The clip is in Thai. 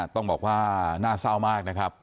ต้องบอกว่าน่าเศร้ามากนะครับ